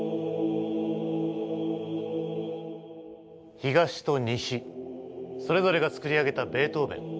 東と西それぞれが作り上げたベートーヴェン。